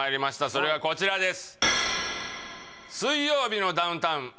それはこちらです